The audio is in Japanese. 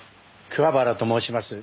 桑原と申します。